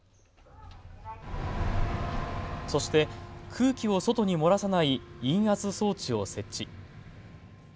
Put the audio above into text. そして空気を外に漏らさない陰圧装置を設置。